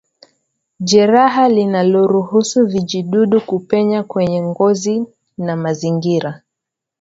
Jeraha linaloruhusu vijidudu kupenya kwenye ngozi na mazingira